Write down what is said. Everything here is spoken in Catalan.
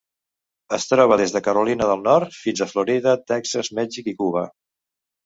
Es troba des de Carolina del Nord fins a Florida, Texas, Mèxic i Cuba.